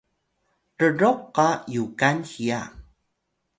rroq qa Yukan hiya